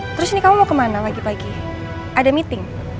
terus ini kamu mau kemana lagi lagi ada meeting